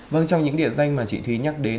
vâng trong những địa danh mà chị thúy nhắc đến